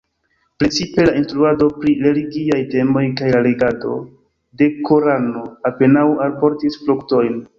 Precipe la instruado pri religiaj temoj kaj la legado de Korano apenaŭ alportis fruktojn.